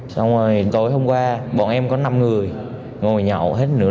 xong rồi tối hôm qua bọn em có năm người ngồi nhậu hết nữa